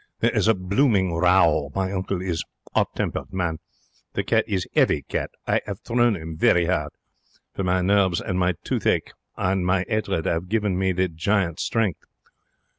There is blooming row. My uncle is 'ot tempered man. The cat is 'eavy cat. I 'ave thrown 'im very hard, for my nerves and my toothache and my 'atred 'ave given me the giant's strength.